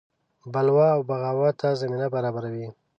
بلوا او بغاوت ته زمینه برابروي.